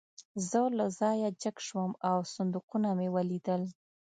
زه له ځایه جګ شوم او صندوقونه مې ولیدل